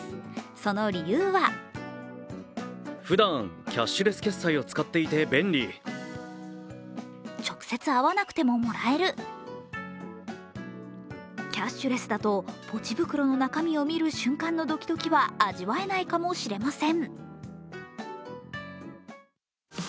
その理由はキャッスレスだとポチ袋を見る瞬間のドキドキは味わえないかもしれません。